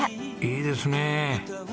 いいですねえ。